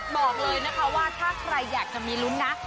บอกเลยนะคะว่าถ้าใครอยากจะมีลุ้นนะ